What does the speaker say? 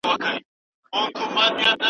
ورور مې ټوپک زه ئې شپېلۍ يم